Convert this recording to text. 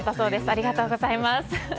ありがとうございます。